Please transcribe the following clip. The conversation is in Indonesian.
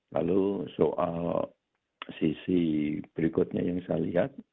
lalu soal sisi berikutnya yang saya lihat